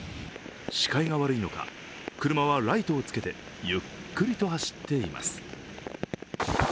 視界が悪いのか、車はライトをつけてゆっくりと走っています。